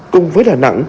cùng với đà nẵng